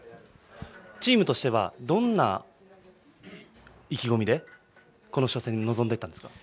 チームとしてはどんな意気込みでこの初戦に臨んでいったんですか。